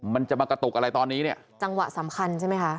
มันจะมากระตุกอะไรตอนนี้เนี่ยจังหวะสำคัญใช่ไหมคะ